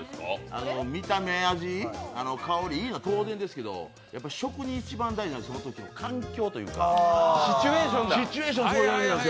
見た目、味、香りいいのは当然ですけど、やっぱ食に一番大事のそのときの環境というか、シチュエーション。